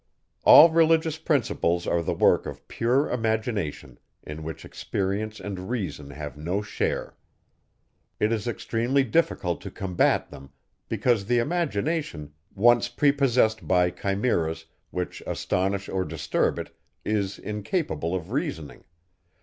All religious principles are the work of pure imagination, in which experience and reason have no share. It is extremely difficult to combat them, because the imagination, once prepossessed by chimeras, which astonish or disturb it, is incapable of reasoning.